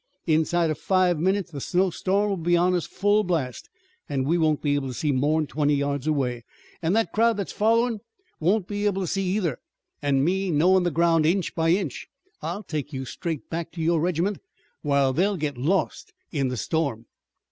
Inside five minutes the snowstorm will be on us full blast, an' we won't be able to see more'n twenty yards away. An' that crowd that's follerin' won't be able to see either. An' me knowin' the ground inch by inch I'll take you straight back to your regiment while they'll get lost in the storm."